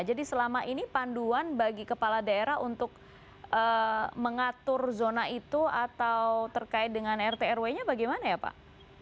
jadi selama ini panduan bagi kepala daerah untuk mengatur zona itu atau terkait dengan rtrw nya bagaimana ya pak